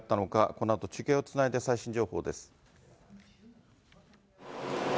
このあと中継をつないで、最新情報です。